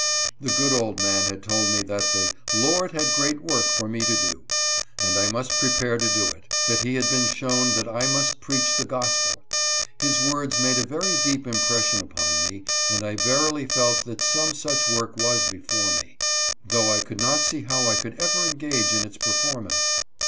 The good old man had told me that the " Lord jiad great work for me to do," and I must prepare to do it ; that he had been shown that I must preach the gospel. His words made a very deep impression upon me, and I verily felt that some such work was before me, though I could not see how I could ever engage in its performance.